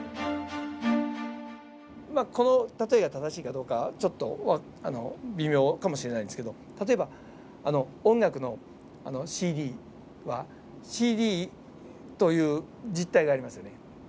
まあこの例えが正しいかどうかちょっと微妙かもしれないんですけど例えば音楽のＣＤはＣＤという実体がありますよね。